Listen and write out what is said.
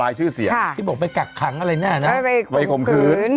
รายชื่อเสียค่ะพี่บอกไปกักขังอะไรน่ะนะไปคมคืน